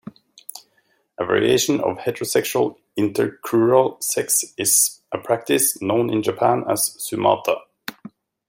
A variation of heterosexual intercrural sex is a practice known in Japan as sumata.